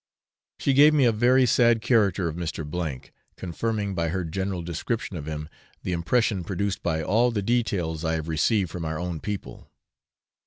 She gave me a very sad character of Mr. K , confirming by her general description of him the impression produced by all the details I have received from our own people.